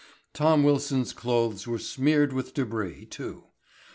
Tom Wilson's clothes were smeared with debris, too.